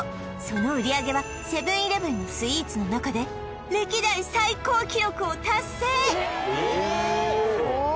その売上はセブン−イレブンのスイーツの中で歴代最高記録を達成！